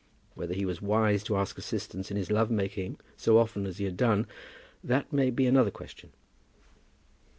Whether he was wise to ask assistance in his love making so often as he had done, that may be another question.